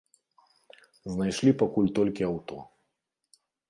Знайшлі пакуль толькі аўто.